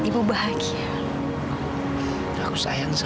bahagia sekali andre